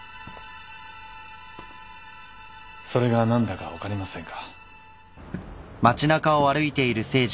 それが何だか分かりませんか？